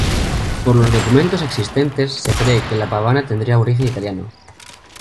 Por los documentos existentes, se cree que la pavana tendría origen italiano.